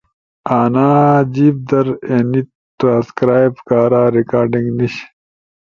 انا جیب در اینی ترانکرائب کارا ریکارڈنگ نیِش،